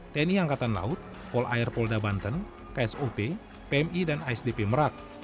tni angkatan laut pol air polda banten psop pmi dan isdp merak